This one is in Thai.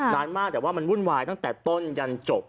นานมากแต่ว่ามันวุ่นวายตั้งแต่ต้นยันจบ